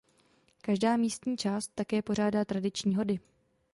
Každá místní část také pořádá tradiční hody.